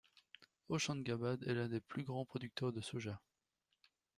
Hoshangabad est l'un des plus grands producteurs de soja.